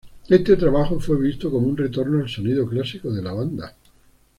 Este trabajo fue visto como un retorno al sonido clásico de la banda.